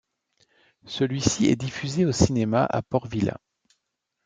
Celui-ci est diffusé au cinéma à Port-Vila.